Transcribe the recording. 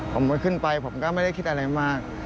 ผมก็ขึ้นไปผมก็ไม่ได้คิดอะไรมาก